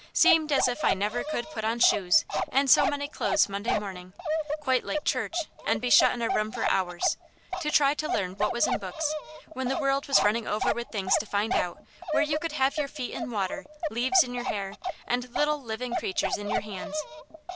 Seemed as if I never could put on shoes, and so many clothes Monday morning, quite like church, and be shut in a room for hours, to try to learn what was in books, when the world was running over with things to find out where you could have your feet in water, leaves in your hair, and little living creatures in your hands.